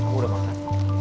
gua udah makan